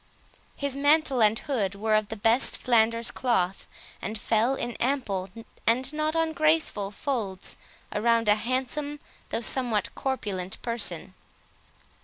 His mantle and hood were of the best Flanders cloth, and fell in ample, and not ungraceful folds, around a handsome, though somewhat corpulent person.